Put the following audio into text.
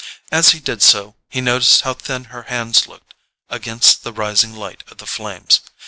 As he did so, he noticed how thin her hands looked against the rising light of the flames.